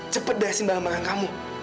cepat beresin barang barang kamu